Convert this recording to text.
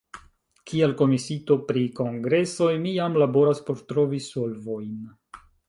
Kiel komisiito pri kongresoj mi jam laboras por trovi solvojn.